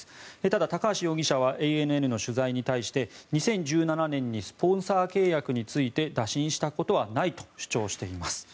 ただ、高橋容疑者はＡＮＮの取材に対して２０１７年にスポンサー契約について打診したことはないと主張しています。